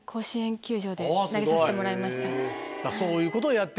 そういうことをやってる。